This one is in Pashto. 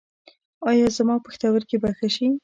ایا زما پښتورګي به ښه شي؟